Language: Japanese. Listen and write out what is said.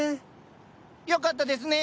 よかったですね。